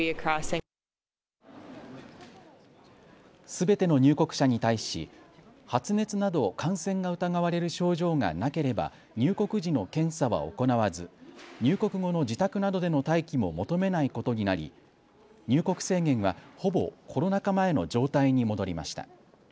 すべての入国者に対し発熱など感染が疑われる症状がなければ入国時の検査は行わず入国後の自宅などでの待機も求めないことになり入国制限はほぼコロナ禍前の状態に戻りました。